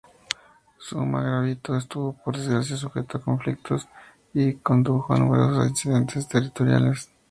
Su margraviato estuvo por desgracia sujeto a conflictos, y condujo a numerosos incidentes territoriales.